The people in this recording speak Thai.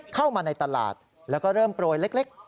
เข้ามาในตลาดแล้วก็เริ่มโปรยเล็ก